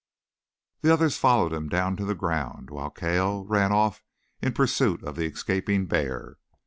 The others followed him down to the ground, while Cale ran off in pursuit of the escaping bear.